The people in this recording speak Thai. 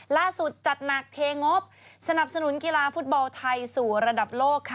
จัดหนักเทงบสนับสนุนกีฬาฟุตบอลไทยสู่ระดับโลกค่ะ